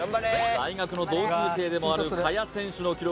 大学の同級生でもある萱選手の記録